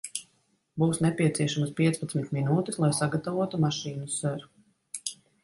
Būs nepieciešamas piecpadsmit minūtes, lai sagatavotu mašīnu, ser.